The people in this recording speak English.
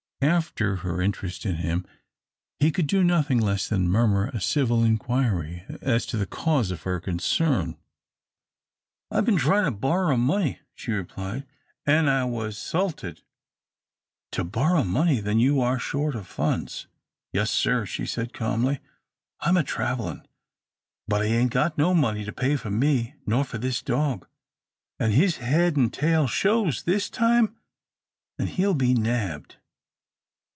After her interest in him, he could do nothing less than murmur a civil inquiry as to the cause of her concern. "I've been tryin' to borrer money," she replied, "an' I was 'sulted." "To borrow money then you are short of funds?" "Yes, sir," she said, calmly, "I'm a travellin', but I ain't got no money to pay for me nor for this dog, an' his head an' tail shows this time, an' he'll be nabbed."